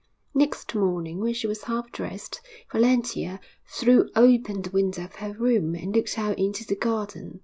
Next morning, when she was half dressed, Valentia threw open the window of her room, and looked out into the garden.